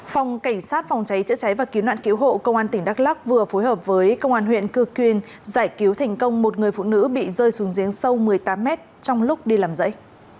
phòng cảnh sát phòng cháy chữa cháy và cứu nạn cứu hộ công an tỉnh đắk lắc vừa phối hợp với công an huyện cưn giải cứu thành công một người phụ nữ bị rơi xuống giếng sâu một mươi tám mét trong lúc đi làm dãy